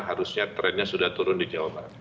harusnya trennya sudah turun di jawa barat